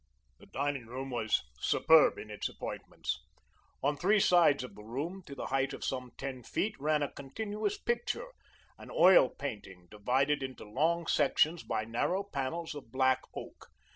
The dining room was superb in its appointments. On three sides of the room, to the height of some ten feet, ran a continuous picture, an oil painting, divided into long sections by narrow panels of black oak.